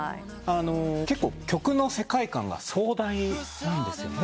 結構曲の世界観が壮大なんですよね。